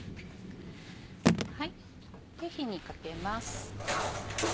はい火にかけます。